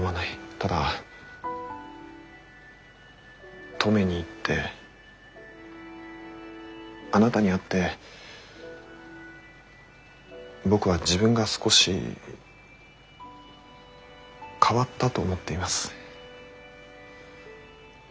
ただ登米に行ってあなたに会って僕は自分が少し変わったと思っています。